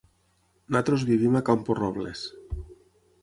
Nosaltres vivim a Camporrobles.